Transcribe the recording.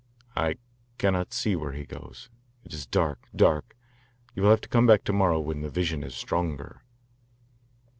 "I cannot see where he goes. It is dark, dark. You will have to come back to morrow when the vision is stronger."